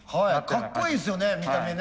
かっこいいですよね見た目ね。